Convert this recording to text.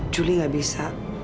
juli gak bisa